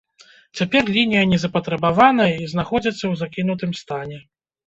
Цяпер лінія не запатрабаваная і знаходзіцца ў закінутым стане.